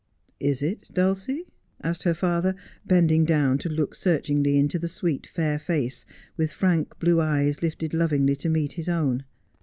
' Is it, Dulcie 1 ' asked her father, bending down to look seaichingly into the sweet, fair face, with frank blue eyes lifted lovingly to meet his own.